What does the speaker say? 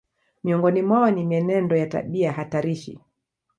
Miongoni mwao ni mienendo ya tabia hatarishi